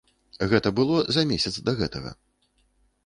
Гэта было за месяц да гэтага.